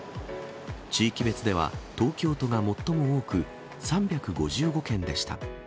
地域別では東京都が最も多く３５５件でした。